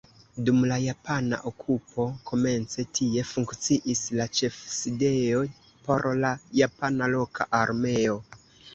Dum la japana okupo komence tie funkciis la ĉefsidejo por la japana loka armeo.